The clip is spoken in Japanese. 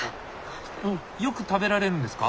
よく食べられるんですか？